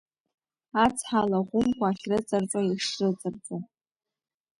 Ацҳа алаӷәымқәа ахьрыҵарҵо, ишрыҵарҵо.